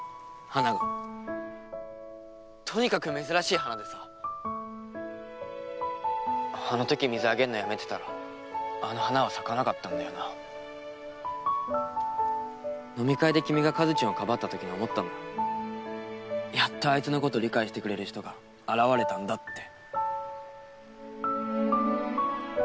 花がとにかく珍しい花でさあの時水あげんのやめてたらあの花は咲かなかったんだよな飲み会で君が和ちんをかばった時に思ったんだやっとあいつのこと理解してくれる人が現れたんだって